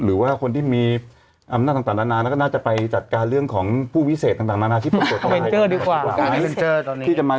หรือว่าคนที่มีอำนาจตลาดนานานาน